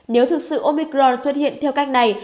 nếu thực sự omicron xuất hiện theo cách này